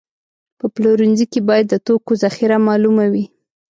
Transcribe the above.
په پلورنځي کې باید د توکو ذخیره معلومه وي.